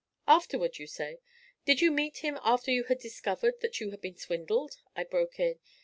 'Afterward, you say did you meet him after you had discovered that you had been swindled?' I broke in.